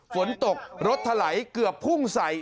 ฝนตกรถถลายเกือบพุ่งใส่